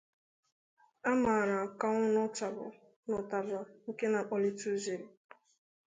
a mara akanwụ na ụtaba nke na-akpọlite uzere.